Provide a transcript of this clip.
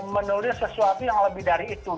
menulis sesuatu yang lebih dari itu